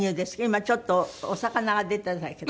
今ちょっとお魚が出たんだけど。